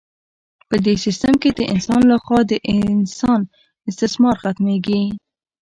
په دې سیستم کې د انسان لخوا د انسان استثمار ختمیږي.